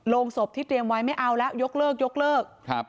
ศพที่เตรียมไว้ไม่เอาแล้วยกเลิกยกเลิกครับ